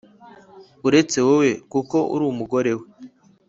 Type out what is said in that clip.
uretse wowe kuko uri umugore we